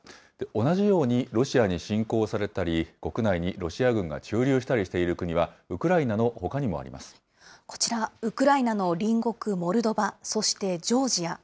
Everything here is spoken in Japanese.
同じようにロシアに侵攻されたり、国内にロシア軍が駐留したりしている国は、ウクライナのほかにもこちら、ウクライナの隣国、モルドバ、そしてジョージア。